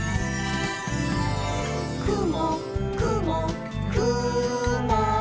「くもくもくも」